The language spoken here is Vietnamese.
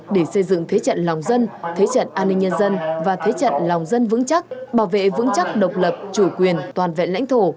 để xây dựng thế trận lòng dân thế trận an ninh nhân dân và thế trận lòng dân vững chắc bảo vệ vững chắc độc lập chủ quyền toàn vẹn lãnh thổ